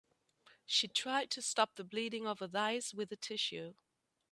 She tried to stop the bleeding of her thighs with a tissue.